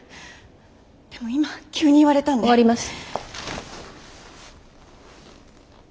でも今急に言われたんで。終わります。